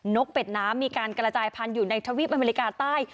กเป็ดน้ำมีการกระจายพันธุ์อยู่ในทวีปอเมริกาใต้